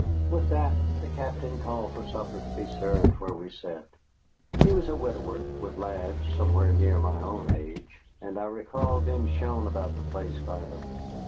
With that the Captain called for supper to be served where we sat. He was a widower, with lads somewhere near my own age, and I recall being shown about the place by them.